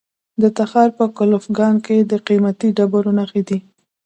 د تخار په کلفګان کې د قیمتي ډبرو نښې دي.